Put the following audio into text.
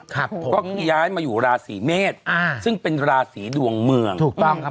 ครับผมก็คือย้ายมาอยู่ราศีเมษอ่าซึ่งเป็นราศีดวงเมืองถูกต้องครับ